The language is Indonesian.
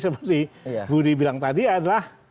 seperti budi bilang tadi adalah